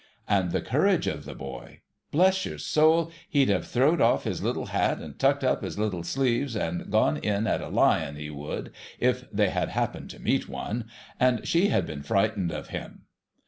And the courage of the boy ! Bless your soul, he'd have throwed off his little hat, and tucked up his little sleeves, and gone in at a Lion, he would, if they had happened to meet one, and she had been frightened of him.